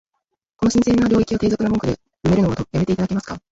この神聖な領域を、低俗な文句で埋めるのは止めて頂けますか？